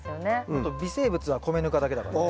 あと微生物は米ぬかだけだからね。